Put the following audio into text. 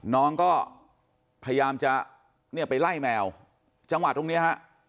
น้องก็พยายามจะเนี่ยไปไล่แมวจังหวะตรงเนี้ยฮะ